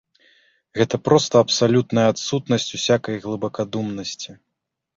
Гэта проста абсалютная адсутнасць усякай глыбакадумнасці.